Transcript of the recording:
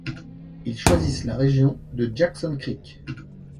Ils choisissent la région de Jackson Creek.